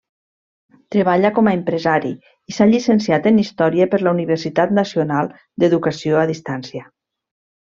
Treballa com empresari i s'ha llicenciat en història per la Universitat Nacional d'Educació a Distància.